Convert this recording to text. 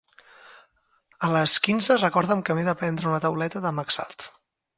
A les quinze recorda'm que m'he de prendre una tauleta de Maxalt.